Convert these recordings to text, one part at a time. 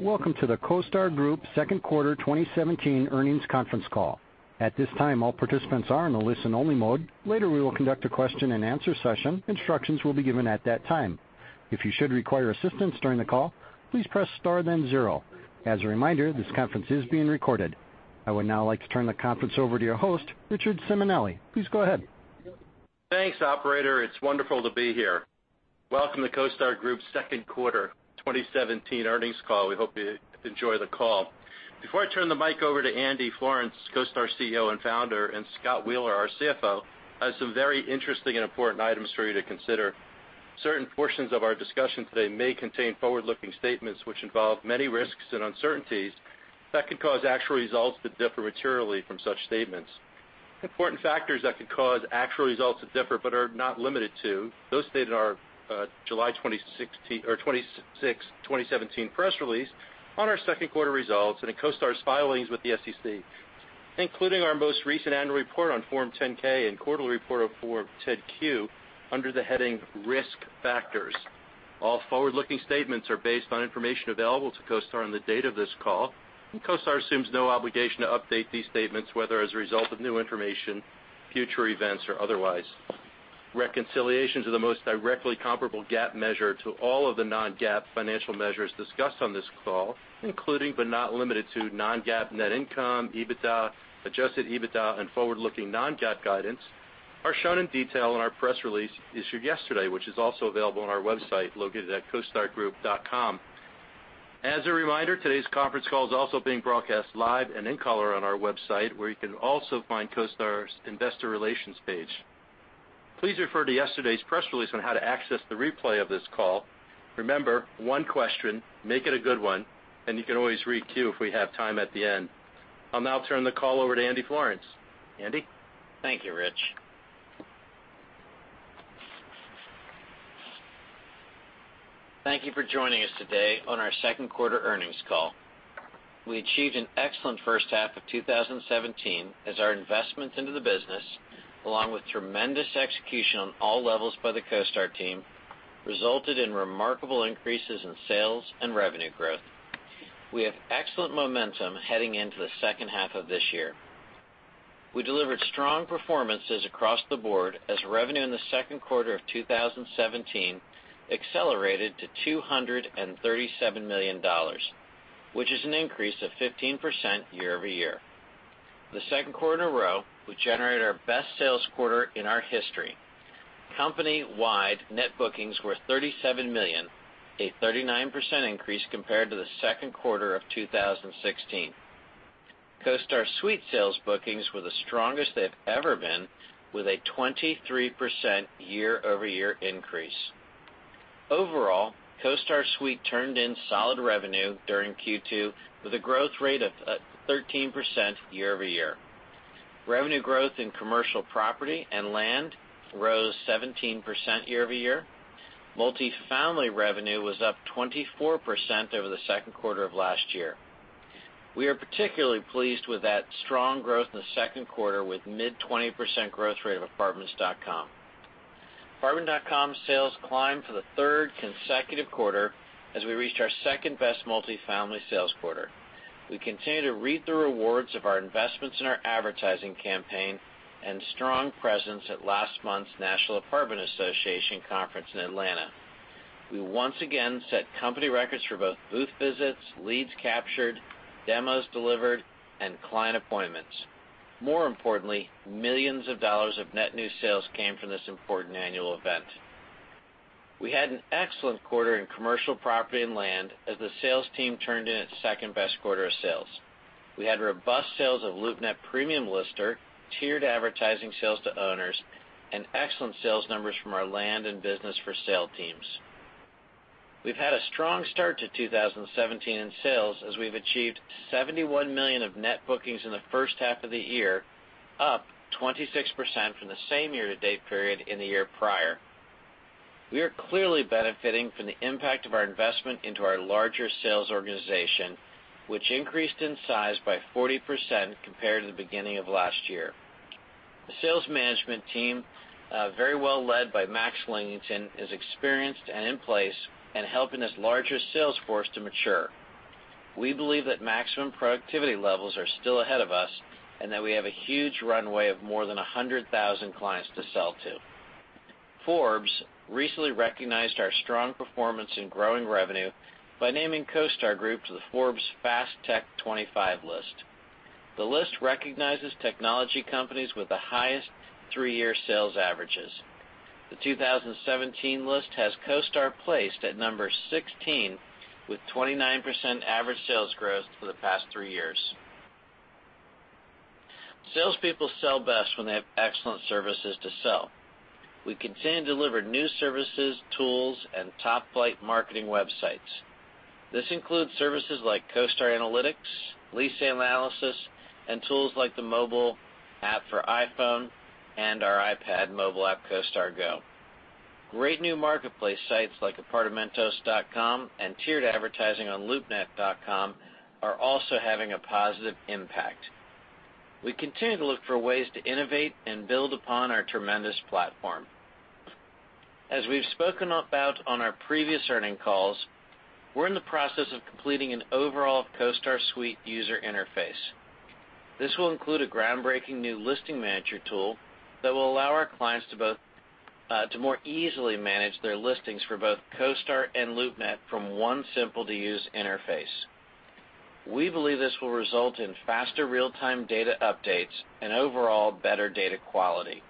Welcome to the CoStar Group second quarter 2017 earnings conference call. At this time, all participants are in a listen-only mode. Later, we will conduct a question and answer session. Instructions will be given at that time. If you should require assistance during the call, please press star then zero. As a reminder, this conference is being recorded. I would now like to turn the conference over to your host, Richard Simonelli. Please go ahead. Thanks, operator. It's wonderful to be here. Welcome to CoStar Group's second quarter 2017 earnings call. Before I turn the mic over to Andrew Florance, CoStar CEO and founder, and Scott Wheeler, our CFO, I have some very interesting and important items for you to consider. Certain portions of our discussion today may contain forward-looking statements which involve many risks and uncertainties that could cause actual results to differ materially from such statements. Important factors that could cause actual results to differ, but are not limited to, those stated in our July 26, 2017 press release on our second quarter results and in CoStar's filings with the SEC, including our most recent annual report on Form 10-K and quarterly report on Form 10-Q under the heading Risk Factors. All forward-looking statements are based on information available to CoStar on the date of this call. CoStar assumes no obligation to update these statements, whether as a result of new information, future events, or otherwise. Reconciliations are the most directly comparable GAAP measure to all of the non-GAAP financial measures discussed on this call, including but not limited to non-GAAP net income, EBITDA, adjusted EBITDA, and forward-looking non-GAAP guidance, are shown in detail in our press release issued yesterday, which is also available on our website located at costargroup.com. As a reminder, today's conference call is also being broadcast live and in color on our website, where you can also find CoStar's investor relations page. Please refer to yesterday's press release on how to access the replay of this call. Remember, one question, make it a good one. You can always re-queue if we have time at the end. I'll now turn the call over to Andrew Florance. Andy? Thank you, Rich. Thank you for joining us today on our second quarter earnings call. We achieved an excellent first half of 2017 as our investment into the business, along with tremendous execution on all levels by the CoStar team, resulted in remarkable increases in sales and revenue growth. We have excellent momentum heading into the second half of this year. We delivered strong performances across the board as revenue in the second quarter of 2017 accelerated to $237 million, which is an increase of 15% year-over-year. The second quarter in a row, we generated our best sales quarter in our history. Company-wide net bookings were $37 million, a 39% increase compared to the second quarter of 2016. CoStar Suite sales bookings were the strongest they've ever been with a 23% year-over-year increase. Overall, CoStar Suite turned in solid revenue during Q2 with a growth rate of 13% year-over-year. Revenue growth in commercial property and land rose 17% year-over-year. Multifamily revenue was up 24% over the second quarter of last year. We are particularly pleased with that strong growth in the second quarter with mid-20% growth rate of Apartments.com. Apartments.com sales climbed for the third consecutive quarter as we reached our second-best multifamily sales quarter. We continue to reap the rewards of our investments in our advertising campaign and strong presence at last month's National Apartment Association Conference in Atlanta. We once again set company records for both booth visits, leads captured, demos delivered, and client appointments. More importantly, millions of dollars of net new sales came from this important annual event. We had an excellent quarter in commercial property and land as the sales team turned in its second-best quarter of sales. We had robust sales of LoopNet Premium Lister, tiered advertising sales to owners, and excellent sales numbers from our Land.com and BizBuySell teams. We've had a strong start to 2017 in sales as we've achieved $71 million of net bookings in the first half of the year, up 26% from the same year-to-date period in the year prior. We are clearly benefiting from the impact of our investment into our larger sales organization, which increased in size by 40% compared to the beginning of last year. The sales management team, very well led by Max Linnington, is experienced and in place and helping this larger sales force to mature. We believe that maximum productivity levels are still ahead of us and that we have a huge runway of more than 100,000 clients to sell to. Forbes recently recognized our strong performance in growing revenue by naming CoStar Group to the Forbes Fast Tech 25 list. The list recognizes technology companies with the highest three-year sales averages. The 2017 list has CoStar placed at number 16, with 29% average sales growth for the past three years. Salespeople sell best when they have excellent services to sell. We continue to deliver new services, tools, and top-flight marketing websites. This includes services like CoStar Analytics, lease analysis, and tools like the mobile app for iPhone and our iPad mobile app, CoStar Go. Great new marketplace sites like Apartamentos.com and tiered advertising on LoopNet.com are also having a positive impact. We continue to look for ways to innovate and build upon our tremendous platform. As we've spoken about on our previous earning calls, we're in the process of completing an overall CoStar Suite user interface. This will include a groundbreaking new listing manager tool that will allow our clients to more easily manage their listings for both CoStar and LoopNet from one simple-to-use interface. We believe this will result in faster real-time data updates and overall better data quality.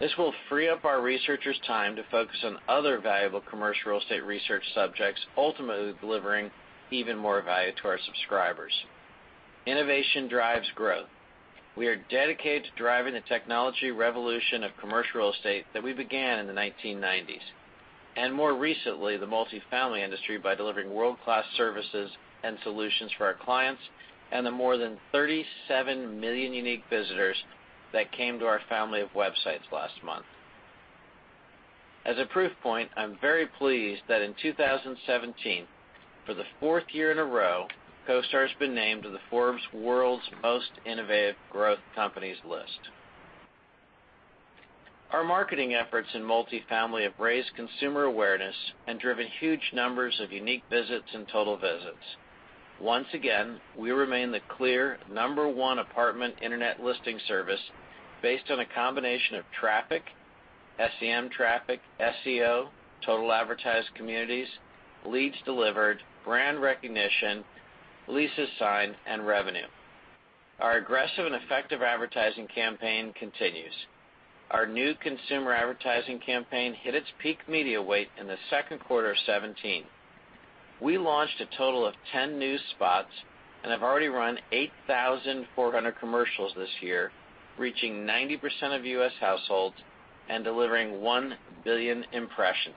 This will free up our researchers' time to focus on other valuable commercial real estate research subjects, ultimately delivering even more value to our subscribers. Innovation drives growth. We are dedicated to driving the technology revolution of commercial real estate that we began in the 1990s, and more recently, the multifamily industry, by delivering world-class services and solutions for our clients, and the more than 37 million unique visitors that came to our family of websites last month. As a proof point, I'm very pleased that in 2017, for the fourth year in a row, CoStar has been named to the Forbes Most Innovative Growth Companies list. Our marketing efforts in multifamily have raised consumer awareness and driven huge numbers of unique visits and total visits. Once again, we remain the clear number one apartment internet listing service based on a combination of traffic, SEM traffic, SEO, total advertised communities, leads delivered, brand recognition, leases signed, and revenue. Our aggressive and effective advertising campaign continues. Our new consumer advertising campaign hit its peak media weight in the second quarter of 2017. We launched a total of 10 new spots and have already run 8,400 commercials this year, reaching 90% of U.S. households and delivering 1 billion impressions.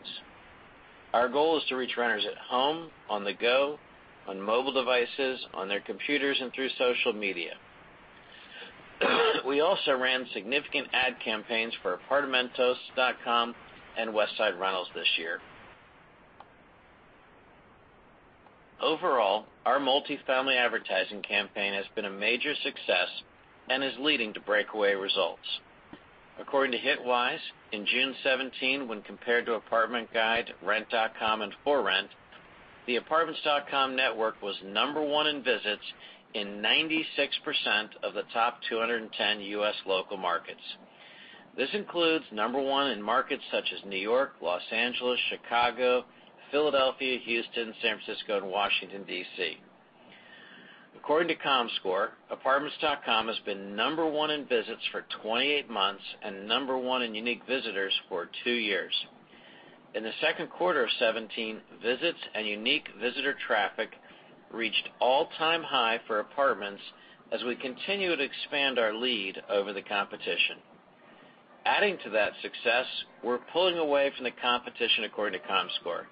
Our goal is to reach renters at home, on the go, on mobile devices, on their computers, and through social media. We also ran significant ad campaigns for Apartamentos.com and Westside Rentals this year. Overall, our multifamily advertising campaign has been a major success and is leading to breakaway results. According to Hitwise, in June 2017, when compared to Apartment Guide, Rent.com, and ForRent, the apartments.com network was number one in visits in 96% of the top 210 U.S. local markets. This includes number one in markets such as New York, Los Angeles, Chicago, Philadelphia, Houston, San Francisco, and Washington, D.C. According to Comscore, apartments.com has been number one in visits for 28 months and number one in unique visitors for two years. In the second quarter of 2017, visits and unique visitor traffic reached all-time high for apartments as we continue to expand our lead over the competition. We're pulling away from the competition, according to Comscore.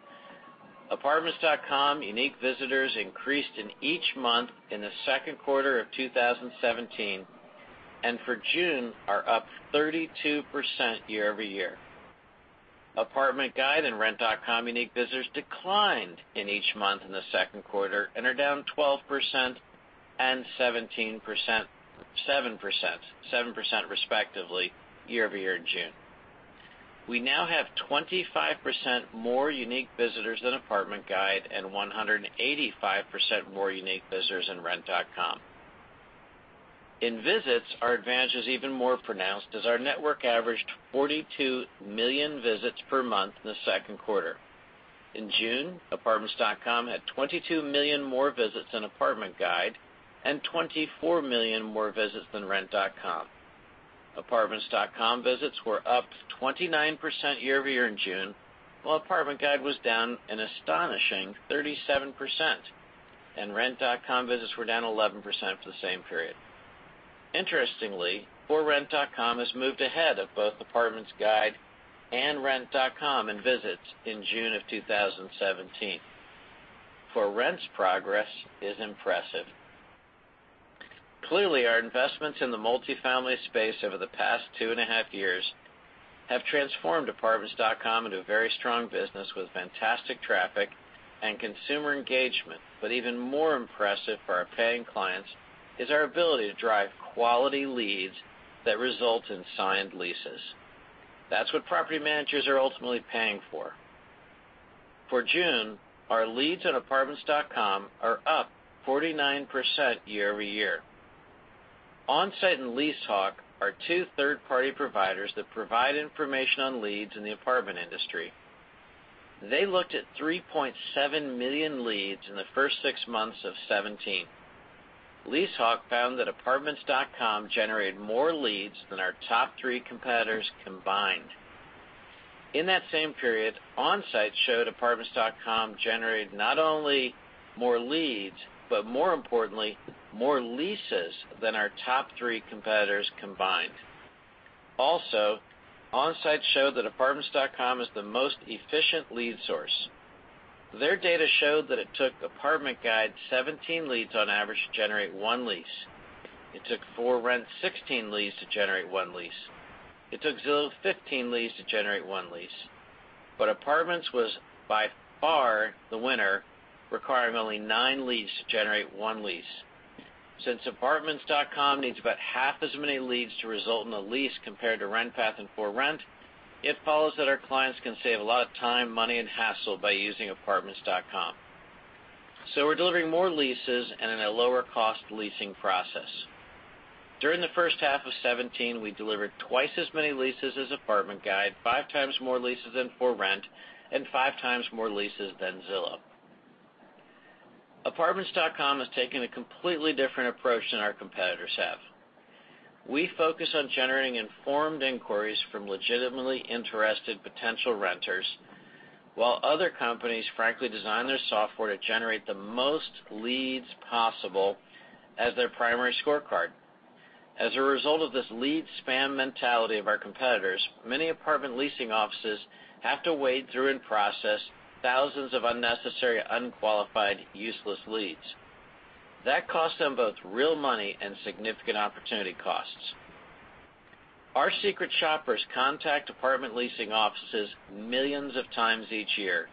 apartments.com unique visitors increased in each month in the second quarter of 2017, and for June, are up 32% year-over-year. Apartment Guide and Rent.com unique visitors declined in each month in the second quarter and are down 12% and 7%, respectively, year-over-year in June. We now have 25% more unique visitors than Apartment Guide and 185% more unique visitors than Rent.com. In visits, our advantage is even more pronounced as our network averaged 42 million visits per month in the second quarter. In June, apartments.com had 22 million more visits than Apartment Guide and 24 million more visits than Rent.com. apartments.com visits were up 29% year-over-year in June, while Apartment Guide was down an astonishing 37%, and Rent.com visits were down 11% for the same period. Interestingly, ForRent.com has moved ahead of both Apartment Guide and Rent.com in visits in June of 2017. ForRent's progress is impressive. Clearly, our investments in the multifamily space over the past two and a half years have transformed apartments.com into a very strong business with fantastic traffic and consumer engagement. Even more impressive for our paying clients is our ability to drive quality leads that result in signed leases. That's what property managers are ultimately paying for. For June, our leads on apartments.com are up 49% year-over-year. On-Site and LeaseHawk are two third-party providers that provide information on leads in the apartment industry. They looked at 3.7 million leads in the first six months of 2017. LeaseHawk found that apartments.com generated more leads than our top three competitors combined. In that same period, On-Site showed apartments.com generated not only more leads, more importantly, more leases than our top three competitors combined. On-Site showed that apartments.com is the most efficient lead source. Their data showed that it took Apartment Guide 17 leads on average to generate one lease. It took ForRent 16 leads to generate one lease. It took Zillow 15 leads to generate one lease. Apartments was by far the winner, requiring only nine leads to generate one lease. Since apartments.com needs about half as many leads to result in a lease compared to RentPath and ForRent, it follows that our clients can save a lot of time, money, and hassle by using apartments.com. We're delivering more leases and at a lower cost leasing process. During the first half of 2017, we delivered twice as many leases as Apartment Guide, five times more leases than ForRent, and five times more leases than Zillow. Apartments.com has taken a completely different approach than our competitors have. We focus on generating informed inquiries from legitimately interested potential renters, while other companies frankly design their software to generate the most leads possible as their primary scorecard. As a result of this lead spam mentality of our competitors, many apartment leasing offices have to wade through and process thousands of unnecessary, unqualified, useless leads. That costs them both real money and significant opportunity costs. Our secret shoppers contact apartment leasing offices millions of times each year.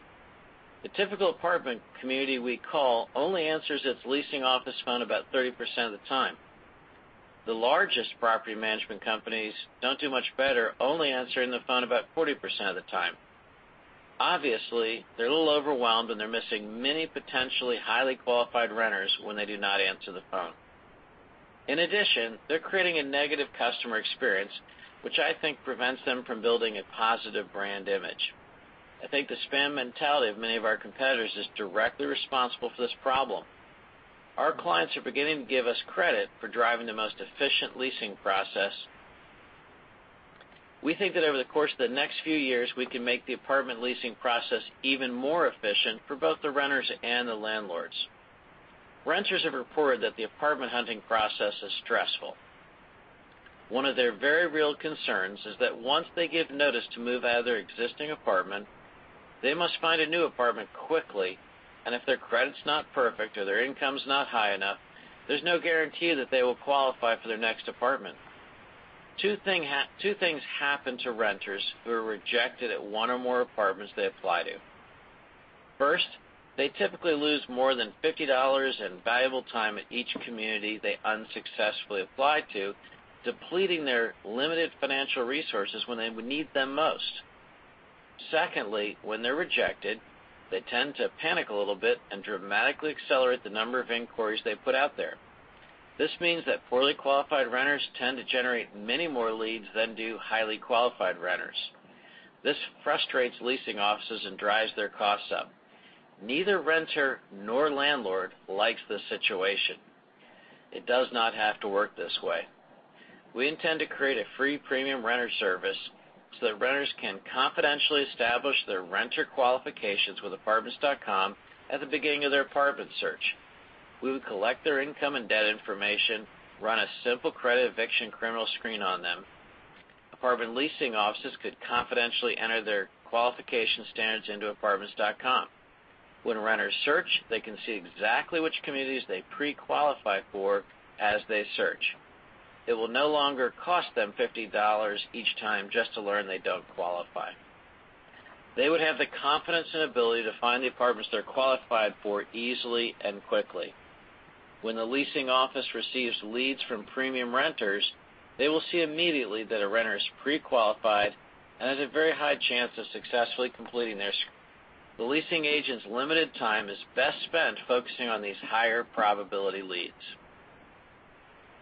The typical apartment community we call only answers its leasing office phone about 30% of the time. The largest property management companies don't do much better, only answering the phone about 40% of the time. Obviously, they're a little overwhelmed, and they're missing many potentially highly qualified renters when they do not answer the phone. In addition, they're creating a negative customer experience, which I think prevents them from building a positive brand image. I think the spam mentality of many of our competitors is directly responsible for this problem. Our clients are beginning to give us credit for driving the most efficient leasing process. We think that over the course of the next few years, we can make the apartment leasing process even more efficient for both the renters and the landlords. Renters have reported that the apartment hunting process is stressful. One of their very real concerns is that once they give notice to move out of their existing apartment, they must find a new apartment quickly, and if their credit's not perfect or their income's not high enough, there's no guarantee that they will qualify for their next apartment. Two things happen to renters who are rejected at one or more apartments they apply to. First, they typically lose more than $50 and valuable time at each community they unsuccessfully apply to, depleting their limited financial resources when they would need them most. Secondly, when they're rejected, they tend to panic a little bit and dramatically accelerate the number of inquiries they put out there. This means that poorly qualified renters tend to generate many more leads than do highly qualified renters. This frustrates leasing offices and drives their costs up. Neither renter nor landlord likes this situation. It does not have to work this way. We intend to create a free premium renter service so that renters can confidentially establish their renter qualifications with apartments.com at the beginning of their apartment search. We would collect their income and debt information, run a simple credit, eviction, criminal screen on them. Apartment leasing offices could confidentially enter their qualification standards into apartments.com. When renters search, they can see exactly which communities they pre-qualify for as they search. It will no longer cost them $50 each time just to learn they don't qualify. They would have the confidence and ability to find the apartments they're qualified for easily and quickly. When the leasing office receives leads from premium renters, they will see immediately that a renter is pre-qualified and has a very high chance of successfully completing their lease. The leasing agent's limited time is best spent focusing on these higher probability leads.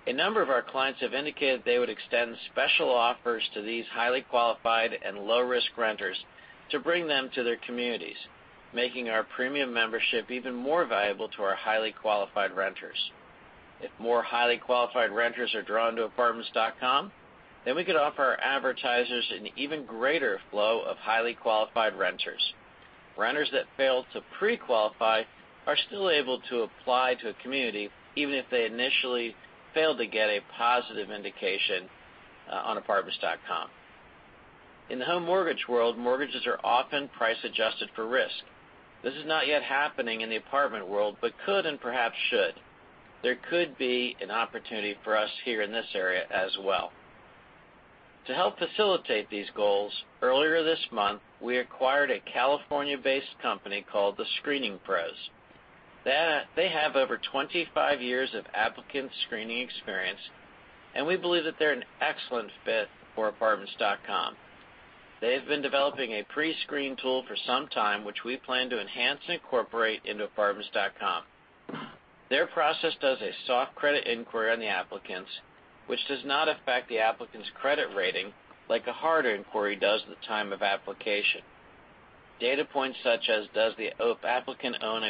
A number of our clients have indicated they would extend special offers to these highly qualified and low-risk renters to bring them to their communities, making our premium membership even more valuable to our highly qualified renters. If more highly qualified renters are drawn to apartments.com, then we could offer our advertisers an even greater flow of highly qualified renters. Renters that fail to pre-qualify are still able to apply to a community, even if they initially failed to get a positive indication on apartments.com. In the home mortgage world, mortgages are often price-adjusted for risk. This is not yet happening in the apartment world, but could and perhaps should. There could be an opportunity for us here in this area as well. To help facilitate these goals, earlier this month, we acquired a California-based company called The Screening Pros. They have over 25 years of applicant screening experience, and we believe that they're an excellent fit for apartments.com. They have been developing a pre-screen tool for some time, which we plan to enhance and incorporate into apartments.com. Their process does a soft credit inquiry on the applicants, which does not affect the applicant's credit rating like a harder inquiry does at the time of application. Data points such as, does the applicant owe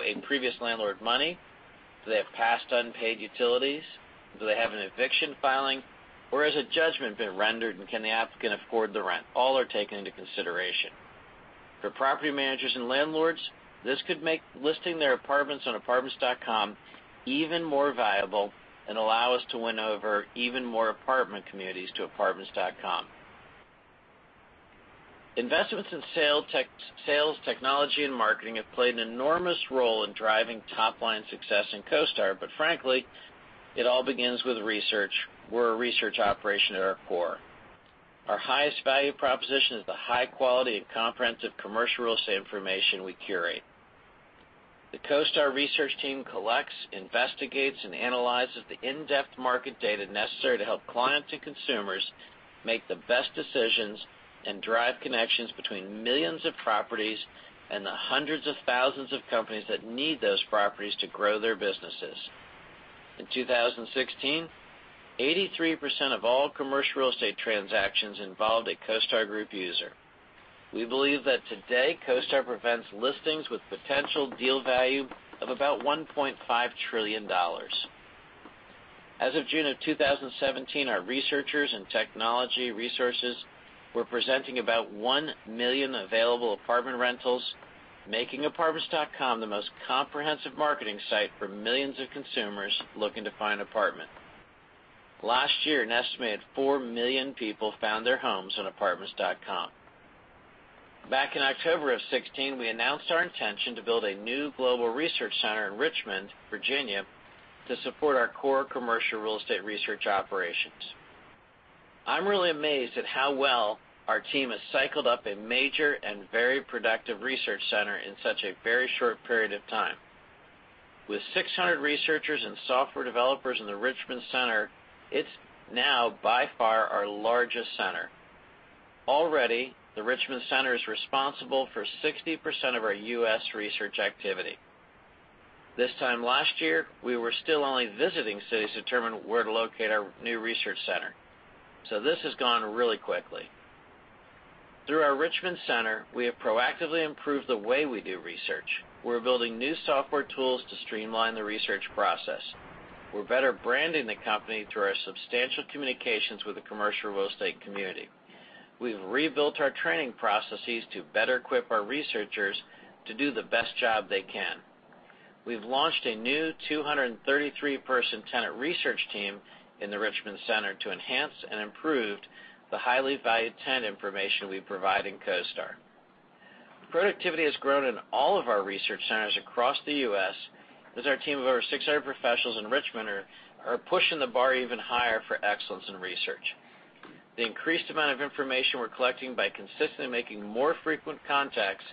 a previous landlord money? Do they have past unpaid utilities? Do they have an eviction filing? Or has a judgment been rendered, and can the applicant afford the rent? All are taken into consideration. For property managers and landlords, this could make listing their apartments on Apartments.com even more valuable and allow us to win over even more apartment communities to Apartments.com. Investments in sales, technology, and marketing have played an enormous role in driving top-line success in CoStar. But frankly, it all begins with research. We are a research operation at our core. Our highest value proposition is the high quality and comprehensive commercial real estate information we curate. The CoStar research team collects, investigates, and analyzes the in-depth market data necessary to help clients and consumers make the best decisions and drive connections between millions of properties and the hundreds of thousands of companies that need those properties to grow their businesses. In 2016, 83% of all commercial real estate transactions involved a CoStar Group user. We believe that today, CoStar prevents listings with potential deal value of about $1.5 trillion. As of June of 2017, our researchers and technology resources were presenting about 1 million available apartment rentals, making Apartments.com the most comprehensive marketing site for millions of consumers looking to find apartment. Last year, an estimated 4 million people found their homes on Apartments.com. Back in October of 2016, we announced our intention to build a new global research center in Richmond, Virginia, to support our core commercial real estate research operations. I am really amazed at how well our team has cycled up a major and very productive research center in such a very short period of time. With 600 researchers and software developers in the Richmond center, it is now by far our largest center. Already, the Richmond center is responsible for 60% of our U.S. research activity. This time last year, we were still only visiting cities to determine where to locate our new research center, so this has gone really quickly. Through our Richmond center, we have proactively improved the way we do research. We are building new software tools to streamline the research process. We are better branding the company through our substantial communications with the commercial real estate community. We have rebuilt our training processes to better equip our researchers to do the best job they can. We have launched a new 233-person tenant research team in the Richmond center to enhance and improve the highly valued tenant information we provide in CoStar. Productivity has grown in all of our research centers across the U.S. as our team of over 600 professionals in Richmond are pushing the bar even higher for excellence in research. The increased amount of information we are collecting by consistently making more frequent contacts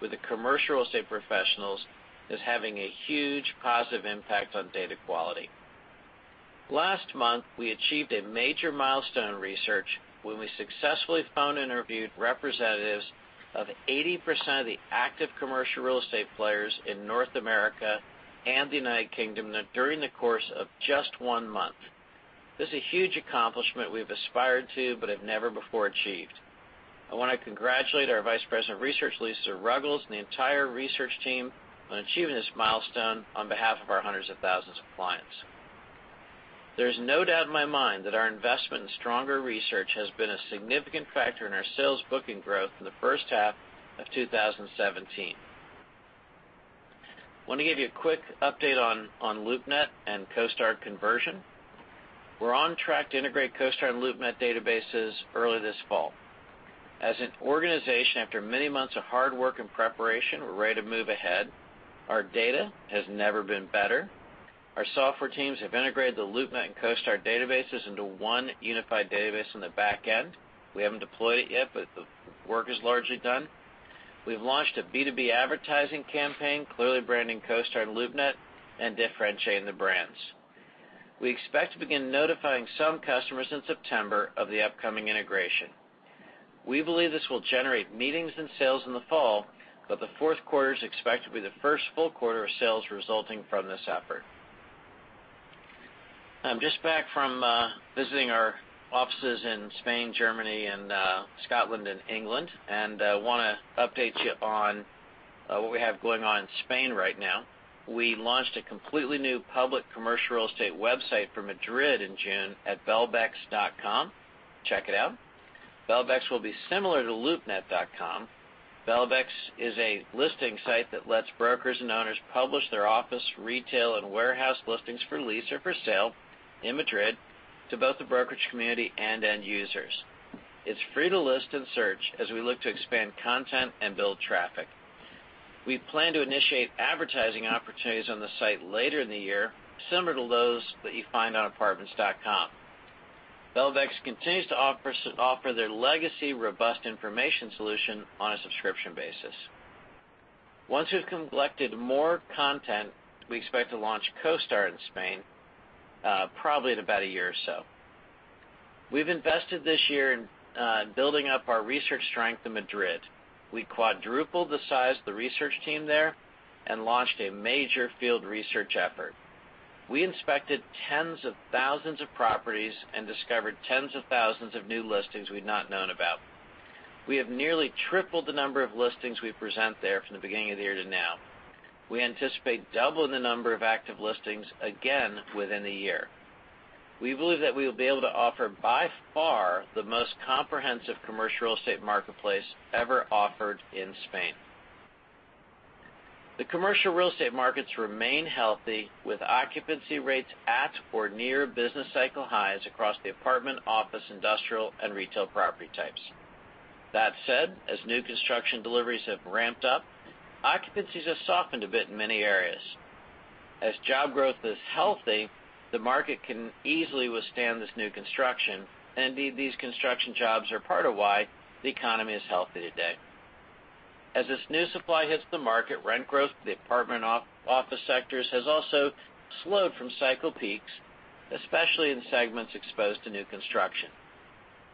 with the commercial real estate professionals is having a huge positive impact on data quality. Last month, we achieved a major milestone in research when we successfully phoned and interviewed representatives of 80% of the active commercial real estate players in North America and the U.K. during the course of just one month. This is a huge accomplishment we have aspired to but have never before achieved. I want to congratulate our Vice President of Research, Lisa Ruggles, and the entire research team on achieving this milestone on behalf of our hundreds of thousands of clients. There is no doubt in my mind that our investment in stronger research has been a significant factor in our sales booking growth in the first half of 2017. Want to give you a quick update on LoopNet and CoStar conversion. We're on track to integrate CoStar and LoopNet databases early this fall. As an organization, after many months of hard work and preparation, we're ready to move ahead. Our data has never been better. Our software teams have integrated the LoopNet and CoStar databases into one unified database on the back end. We haven't deployed it yet, but the work is largely done. We've launched a B2B advertising campaign, clearly branding CoStar and LoopNet and differentiating the brands. We expect to begin notifying some customers in September of the upcoming integration. We believe this will generate meetings and sales in the fall, but the fourth quarter is expected to be the first full quarter of sales resulting from this effort. I'm just back from visiting our offices in Spain, Germany, Scotland, and England, and want to update you on what we have going on in Spain right now. We launched a completely new public commercial real estate website for Madrid in June at Belbex.com. Check it out. Belbex will be similar to LoopNet.com. Belbex is a listing site that lets brokers and owners publish their office, retail, and warehouse listings for lease or for sale in Madrid to both the brokerage community and end users. It's free to list and search as we look to expand content and build traffic. We plan to initiate advertising opportunities on the site later in the year, similar to those that you find on apartments.com. Belbex continues to offer their legacy-robust information solution on a subscription basis. Once we've collected more content, we expect to launch CoStar in Spain, probably in about a year or so. We've invested this year in building up our research strength in Madrid. We quadrupled the size of the research team there and launched a major field research effort. We inspected tens of thousands of properties and discovered tens of thousands of new listings we'd not known about. We have nearly tripled the number of listings we present there from the beginning of the year to now. We anticipate double the number of active listings again within a year. We believe that we will be able to offer by far the most comprehensive commercial real estate marketplace ever offered in Spain. The commercial real estate markets remain healthy with occupancy rates at or near business cycle highs across the apartment, office, industrial, and retail property types. That said, as new construction deliveries have ramped up, occupancies have softened a bit in many areas. As job growth is healthy, the market can easily withstand this new construction. Indeed, these construction jobs are part of why the economy is healthy today. As this new supply hits the market, rent growth for the apartment office sectors has also slowed from cycle peaks, especially in segments exposed to new construction.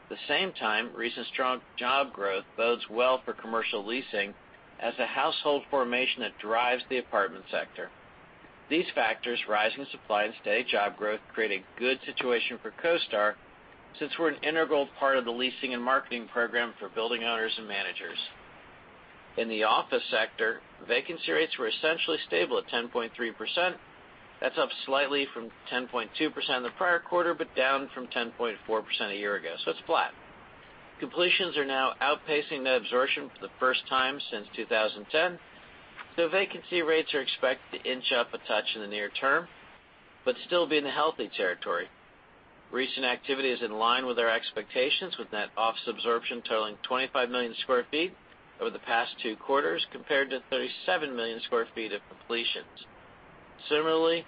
At the same time, recent strong job growth bodes well for commercial leasing as the household formation that drives the apartment sector. These factors, rising supply and steady job growth, create a good situation for CoStar since we're an integral part of the leasing and marketing program for building owners and managers. In the office sector, vacancy rates were essentially stable at 10.3%. That's up slightly from 10.2% in the prior quarter, but down from 10.4% a year ago, so it's flat. Completions are now outpacing net absorption for the first time since 2010. Vacancy rates are expected to inch up a touch in the near term, but still be in the healthy territory. Recent activity is in line with our expectations, with net office absorption totaling 25 million square feet over the past two quarters, compared to 37 million square feet of completions. Similarly,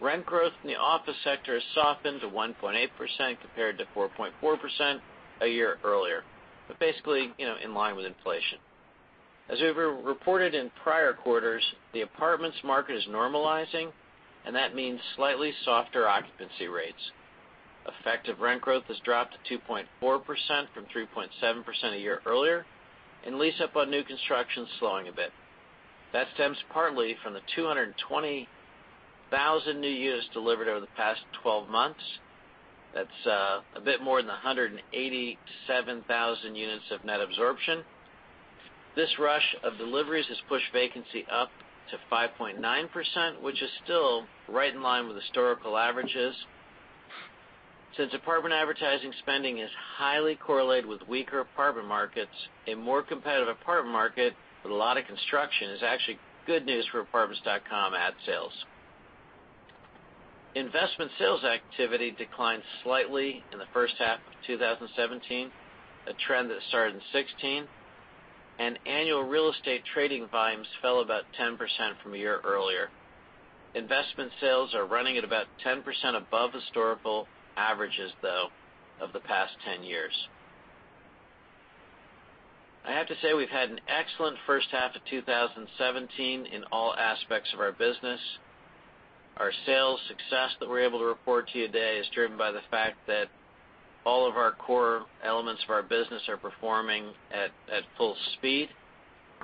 rent growth in the office sector has softened to 1.8%, compared to 4.4% a year earlier, but basically in line with inflation. As we've reported in prior quarters, the apartments market is normalizing, and that means slightly softer occupancy rates. Effective rent growth has dropped to 2.4% from 3.7% a year earlier, and lease-up on new construction is slowing a bit. That stems partly from the 220,000 new units delivered over the past 12 months. That's a bit more than the 187,000 units of net absorption. This rush of deliveries has pushed vacancy up to 5.9%, which is still right in line with historical averages. Since apartment advertising spending is highly correlated with weaker apartment markets, a more competitive apartment market with a lot of construction is actually good news for Apartments.com ad sales. Investment sales activity declined slightly in the first half of 2017, a trend that started in 2016, and annual real estate trading volumes fell about 10% from a year earlier. Investment sales are running at about 10% above historical averages, though, of the past 10 years. I have to say, we've had an excellent first half of 2017 in all aspects of our business. Our sales success that we're able to report to you today is driven by the fact that all of our core elements of our business are performing at full speed,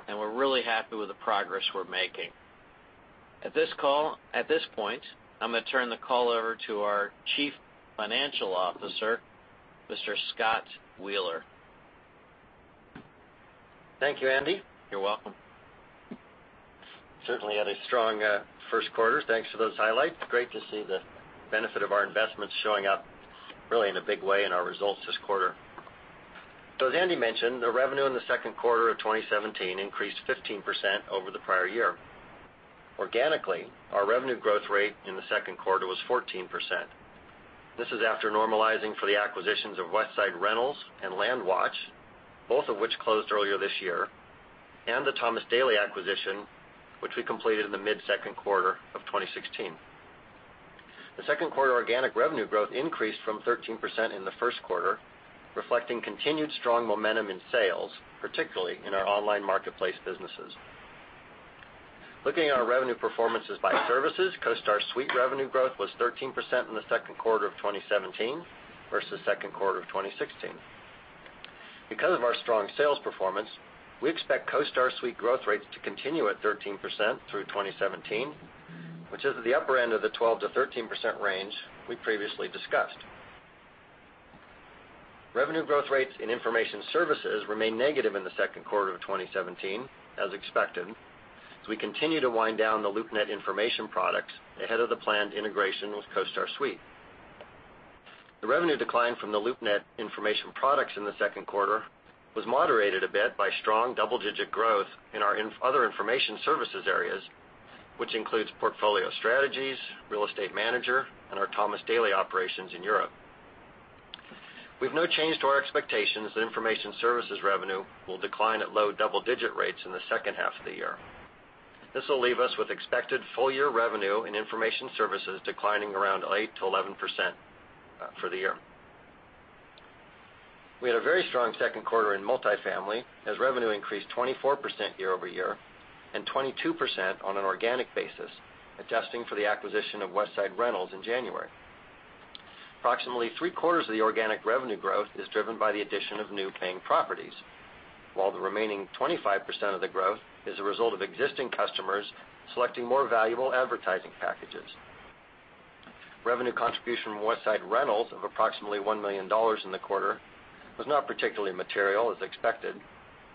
and we're really happy with the progress we're making. At this point, I'm going to turn the call over to our Chief Financial Officer, Mr. Scott Wheeler. Thank you, Andy. You're welcome. Certainly had a strong first quarter. Thanks for those highlights. Great to see the benefit of our investments showing up really in a big way in our results this quarter. As Andy mentioned, the revenue in the second quarter of 2017 increased 15% over the prior year. Organically, our revenue growth rate in the second quarter was 14%. This is after normalizing for the acquisitions of Westside Rentals and LandWatch, both of which closed earlier this year, and the Thomas Daily acquisition, which we completed in the mid-second quarter of 2016. The second quarter organic revenue growth increased from 13% in the first quarter, reflecting continued strong momentum in sales, particularly in our online marketplace businesses. Looking at our revenue performances by services, CoStar Suite revenue growth was 13% in the second quarter of 2017 versus second quarter of 2016. Because of our strong sales performance, we expect CoStar Suite growth rates to continue at 13% through 2017, which is at the upper end of the 12%-13% range we previously discussed. Revenue growth rates in information services remain negative in the second quarter of 2017, as expected, as we continue to wind down the LoopNet information products ahead of the planned integration with CoStar Suite. The revenue decline from the LoopNet information products in the second quarter was moderated a bit by strong double-digit growth in our other information services areas, which includes CoStar Portfolio Strategy, CoStar Real Estate Manager, and our Thomas Daily operations in Europe. We have no change to our expectations that information services revenue will decline at low double-digit rates in the second half of the year. This will leave us with expected full-year revenue in information services declining around 8%-11% for the year. We had a very strong second quarter in multifamily, as revenue increased 24% year-over-year and 22% on an organic basis, adjusting for the acquisition of Westside Rentals in January. Approximately three-quarters of the organic revenue growth is driven by the addition of new paying properties, while the remaining 25% of the growth is a result of existing customers selecting more valuable advertising packages. Revenue contribution from Westside Rentals of approximately $1 million in the quarter was not particularly material, as expected.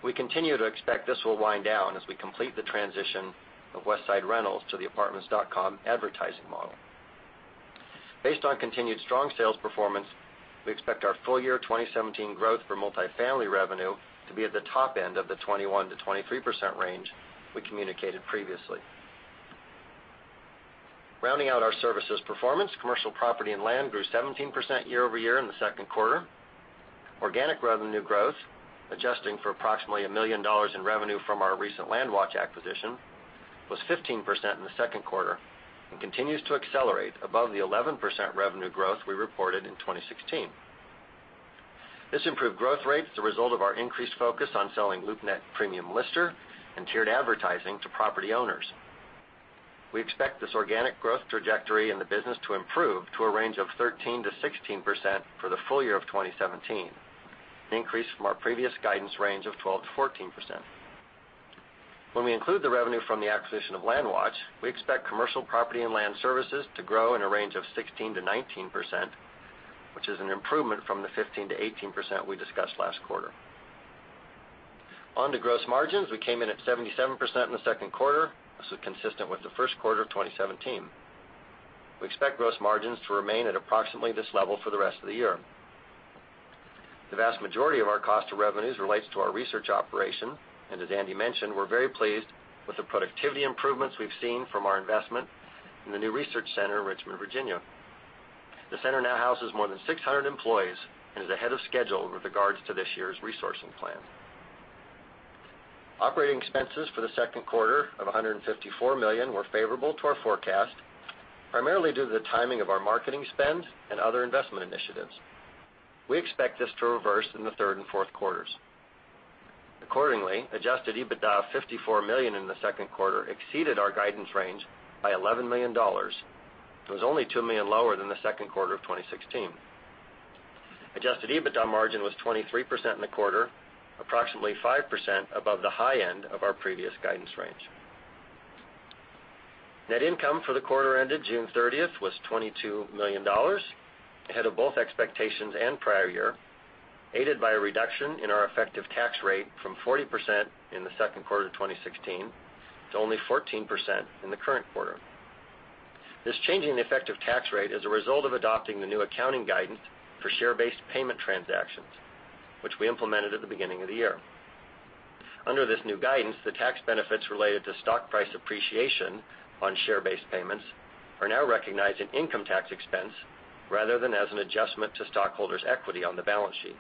We continue to expect this will wind down as we complete the transition of Westside Rentals to the Apartments.com advertising model. Based on continued strong sales performance, we expect our full-year 2017 growth for multifamily revenue to be at the top end of the 21%-23% range we communicated previously. Rounding out our services performance, commercial property and land grew 17% year-over-year in the second quarter. Organic revenue growth, adjusting for approximately $1 million in revenue from our recent LandWatch acquisition, was 15% in the second quarter and continues to accelerate above the 11% revenue growth we reported in 2016. This improved growth rate is the result of our increased focus on selling LoopNet Premium Lister and tiered advertising to property owners. We expect this organic growth trajectory in the business to improve to a range of 13%-16% for the full year of 2017, an increase from our previous guidance range of 12%-14%. When we include the revenue from the acquisition of LandWatch, we expect commercial property and land services to grow in a range of 16%-19%, which is an improvement from the 15%-18% we discussed last quarter. On to gross margins. We came in at 77% in the second quarter. This was consistent with the first quarter of 2017. We expect gross margins to remain at approximately this level for the rest of the year. The vast majority of our cost to revenues relates to our research operation, and as Andy mentioned, we're very pleased with the productivity improvements we've seen from our investment in the new research center in Richmond, Virginia. The center now houses more than 600 employees and is ahead of schedule with regards to this year's resourcing plan. Operating expenses for the second quarter of $154 million were favorable to our forecast, primarily due to the timing of our marketing spend and other investment initiatives. We expect this to reverse in the third and fourth quarters. Accordingly, adjusted EBITDA of $54 million in the second quarter exceeded our guidance range by $11 million. It was only $2 million lower than the second quarter of 2016. Adjusted EBITDA margin was 23% in the quarter, approximately 5% above the high end of our previous guidance range. Net income for the quarter ended June 30th was $22 million, ahead of both expectations and prior year, aided by a reduction in our effective tax rate from 40% in the second quarter of 2016 to only 14% in the current quarter. This change in the effective tax rate is a result of adopting the new accounting guidance for share-based payment transactions, which we implemented at the beginning of the year. Under this new guidance, the tax benefits related to stock price appreciation on share-based payments are now recognized in income tax expense rather than as an adjustment to stockholders' equity on the balance sheet.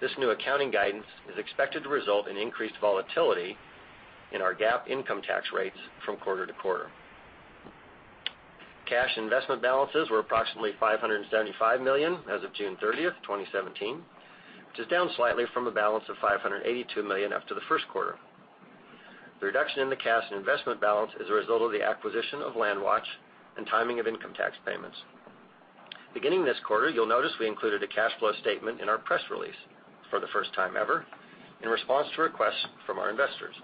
This new accounting guidance is expected to result in increased volatility in our GAAP income tax rates from quarter to quarter. Cash investment balances were approximately $575 million as of June 30th, 2017, which is down slightly from a balance of $582 million after the first quarter. The reduction in the cash and investment balance is a result of the acquisition of LandWatch and timing of income tax payments. Beginning this quarter, you'll notice we included a cash flow statement in our press release for the first time ever in response to requests from our investors.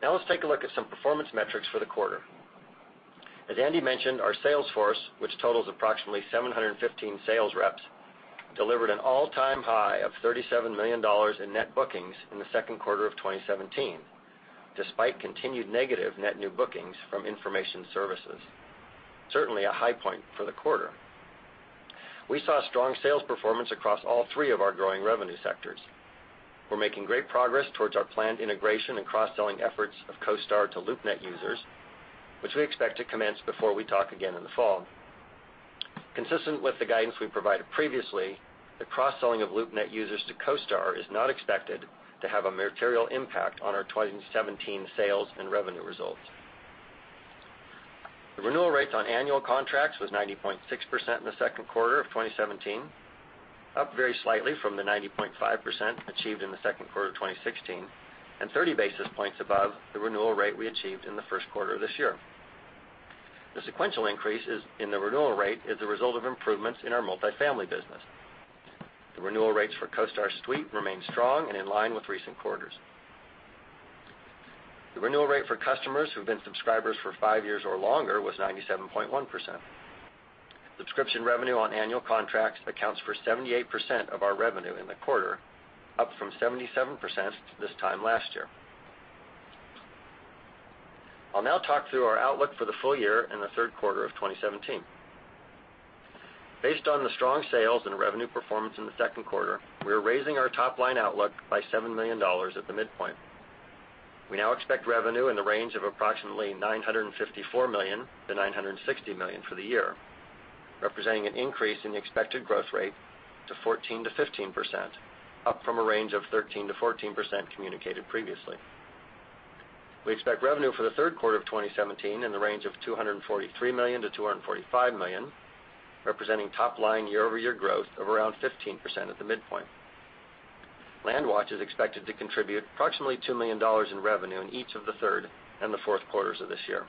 Now let's take a look at some performance metrics for the quarter. As Andy mentioned, our sales force, which totals approximately 715 sales reps, delivered an all-time high of $37 million in net bookings in the second quarter of 2017, despite continued negative net new bookings from Information Services. Certainly a high point for the quarter. We saw strong sales performance across all three of our growing revenue sectors. We're making great progress towards our planned integration and cross-selling efforts of CoStar to LoopNet users, which we expect to commence before we talk again in the fall. Consistent with the guidance we provided previously, the cross-selling of LoopNet users to CoStar is not expected to have a material impact on our 2017 sales and revenue results. The renewal rates on annual contracts was 90.6% in the second quarter of 2017, up very slightly from the 90.5% achieved in the second quarter of 2016 and 30 basis points above the renewal rate we achieved in the first quarter of this year. The sequential increase in the renewal rate is a result of improvements in our multifamily business. The renewal rates for CoStar Suite remain strong and in line with recent quarters. The renewal rate for customers who've been subscribers for five years or longer was 97.1%. Subscription revenue on annual contracts accounts for 78% of our revenue in the quarter, up from 77% this time last year. I'll now talk through our outlook for the full year and the third quarter of 2017. Based on the strong sales and revenue performance in the second quarter, we are raising our top-line outlook by $7 million at the midpoint. We now expect revenue in the range of approximately $954 million-$960 million for the year, representing an increase in the expected growth rate to 14%-15%, up from a range of 13%-14% communicated previously. We expect revenue for the third quarter of 2017 in the range of $243 million-$245 million, representing top-line year-over-year growth of around 15% at the midpoint. LandWatch is expected to contribute approximately $2 million in revenue in each of the third and the fourth quarters of this year.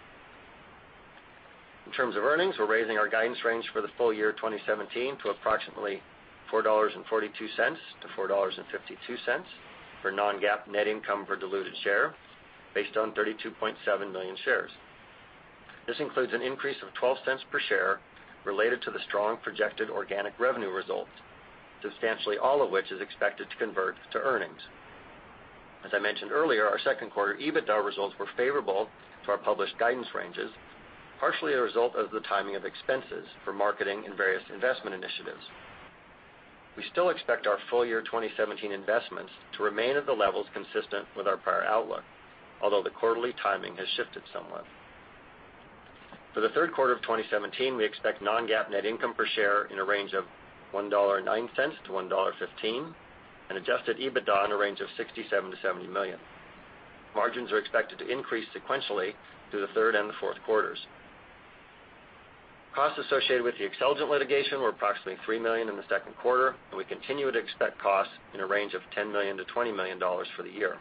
In terms of earnings, we're raising our guidance range for the full year 2017 to approximately $4.42-$4.52 for non-GAAP net income per diluted share based on 32.7 million shares. This includes an increase of $0.12 per share related to the strong projected organic revenue results, substantially all of which is expected to convert to earnings. As I mentioned earlier, our second quarter EBITDA results were favorable to our published guidance ranges, partially a result of the timing of expenses for marketing and various investment initiatives. We still expect our full year 2017 investments to remain at the levels consistent with our prior outlook, although the quarterly timing has shifted somewhat. For the third quarter of 2017, we expect non-GAAP net income per share in a range of $1.09-$1.15, and adjusted EBITDA in a range of $67 million-$70 million. Margins are expected to increase sequentially through the third and the fourth quarters. Costs associated with the Xceligent litigation were approximately $3 million in the second quarter, and we continue to expect costs in a range of $10 million-$20 million for the year.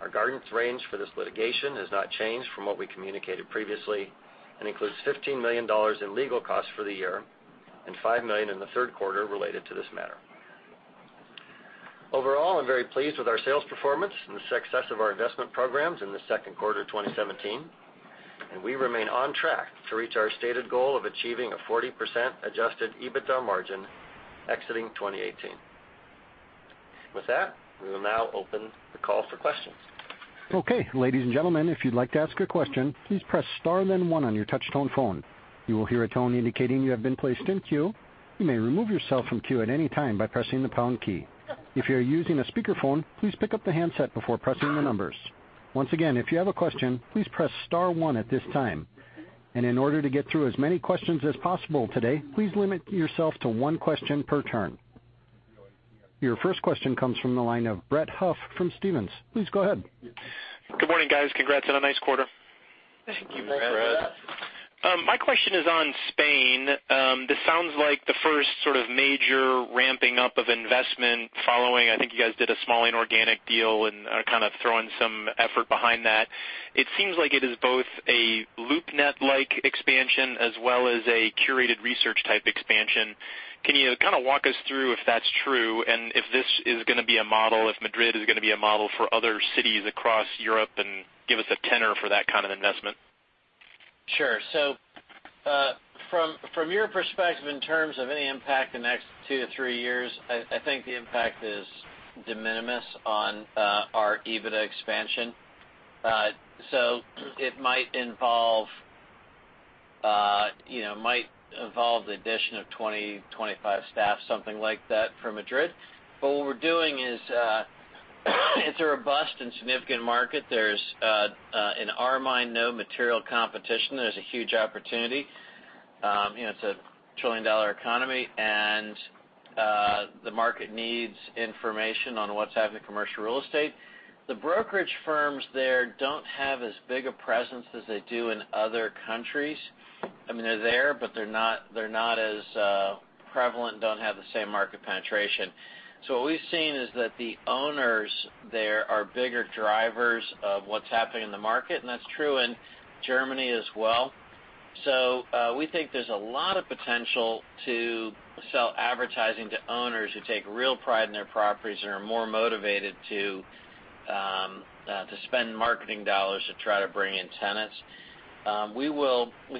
Our guidance range for this litigation has not changed from what we communicated previously and includes $15 million in legal costs for the year and $5 million in the third quarter related to this matter. Overall, I'm very pleased with our sales performance and the success of our investment programs in the second quarter 2017, and we remain on track to reach our stated goal of achieving a 40% adjusted EBITDA margin exiting 2018. With that, we will now open the call for questions. Okay. Ladies and gentlemen, if you'd like to ask a question, please press star then one on your touch tone phone. You will hear a tone indicating you have been placed in queue. You may remove yourself from queue at any time by pressing the pound key. If you are using a speakerphone, please pick up the handset before pressing the numbers. Once again, if you have a question, please press star one at this time. In order to get through as many questions as possible today, please limit yourself to one question per turn. Your first question comes from the line of Brett Huff from Stephens. Please go ahead. Good morning, guys. Congrats on a nice quarter. Thank you, Brett. Thanks, Brett. My question is on Spain. This sounds like the first sort of major ramping up of investment following, I think you guys did a small inorganic deal and are kind of throwing some effort behind that. It seems like it is both a LoopNet-like expansion as well as a curated research type expansion. Can you kind of walk us through if that's true, and if this is going to be a model, if Madrid is going to be a model for other cities across Europe, and give us a tenor for that kind of investment? Sure. From year perspective, in terms of any impact the next two to three years, I think the impact is de minimis on our EBITDA expansion. It might involve the addition of 20, 25 staff, something like that for Madrid. What we're doing is, it's a robust and significant market. There's, in our mind, no material competition. There's a huge opportunity. It's a trillion-dollar economy, and the market needs information on what's happening in commercial real estate. The brokerage firms there don't have as big a presence as they do in other countries. I mean, they're there, but they're not as prevalent and don't have the same market penetration. What we've seen is that the owners there are bigger drivers of what's happening in the market, and that's true in Germany as well. We think there's a lot of potential to sell advertising to owners who take real pride in their properties and are more motivated to spend marketing dollars to try to bring in tenants. We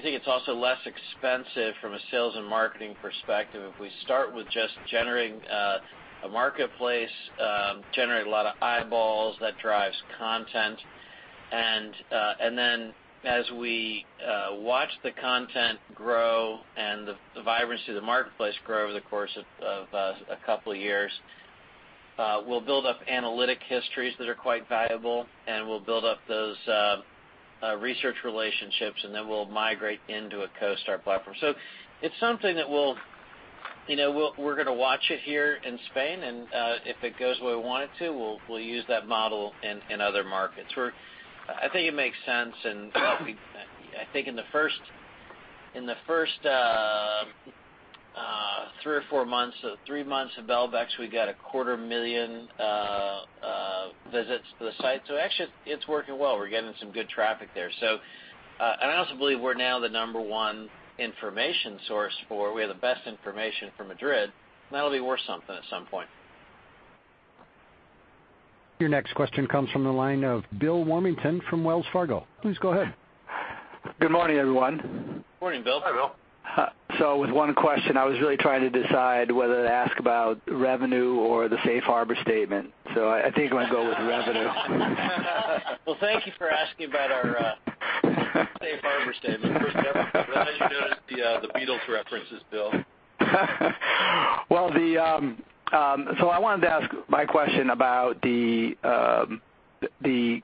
think it's also less expensive from a sales and marketing perspective if we start with just generating a marketplace, generate a lot of eyeballs, that drives content. As we watch the content grow and the vibrancy of the marketplace grow over the course of a couple of years, we'll build up analytic histories that are quite valuable, and we'll build up those research relationships, and then we'll migrate into a CoStar platform. It's something that we're going to watch it here in Spain, and if it goes the way we want it to, we'll use that model in other markets. I think it makes sense, in the first three or four months, three months of Belbex, we got a quarter million visits to the site. Actually, it's working well. We're getting some good traffic there. I also believe we're now the number one information source. We have the best information for Madrid, and that'll be worth something at some point. Your next question comes from the line of Bill Warmington from Wells Fargo. Please go ahead. Good morning, everyone. Morning, Bill. Hi, Bill. With one question, I was really trying to decide whether to ask about revenue or the safe harbor statement. I think I'm going to go with revenue. Well, thank you for asking about our safe harbor statement. First ever. I'm glad you noticed the Beatles references, Bill. I wanted to ask my question about the